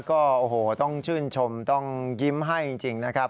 ก็โอ้โหต้องชื่นชมต้องยิ้มให้จริงนะครับ